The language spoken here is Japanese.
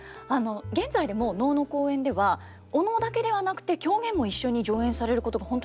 現在でも能の公演ではお能だけではなくて狂言も一緒に上演されることが本当に多いんですよ。